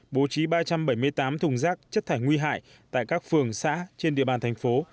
bố trí ba trăm bảy mươi tám thùng rác chất thải nguy hại tại các phường xã trên địa bàn thành phố